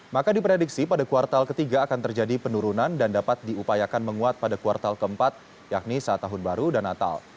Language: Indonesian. maka diprediksi pada kuartal ketiga akan terjadi penurunan dan dapat diupayakan menguat pada kuartal keempat yakni saat tahun baru dan natal